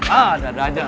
oh ada ada aja